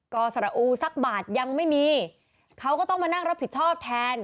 อสระอูสักบาทยังไม่มีเขาก็ต้องมานั่งรับผิดชอบแทน